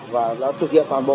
và thực hiện toàn bộ